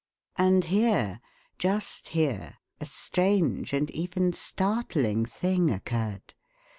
And here just here a strange and even startling thing occurred.